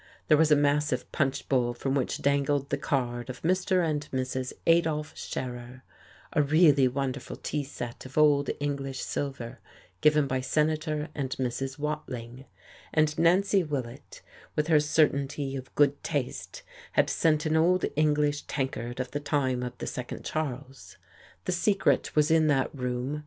There was a massive punch bowl from which dangled the card of Mr. and Mrs. Adolf Scherer, a really wonderful tea set of old English silver given by Senator and Mrs. Watling, and Nancy Willett, with her certainty of good taste, had sent an old English tankard of the time of the second Charles. The secret was in that room.